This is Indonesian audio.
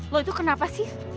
lo itu kenapa sih